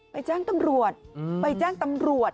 แจ้งตำรวจไปแจ้งตำรวจ